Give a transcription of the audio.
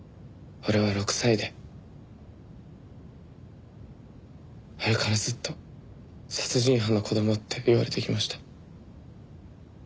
あれからずっと殺人犯の子供って言われてきました。